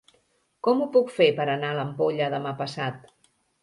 Com ho puc fer per anar a l'Ampolla demà passat?